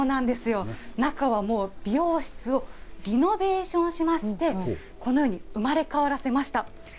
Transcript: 中はもう、美容室をリノベーションしまして、このように生まれ変わらせました。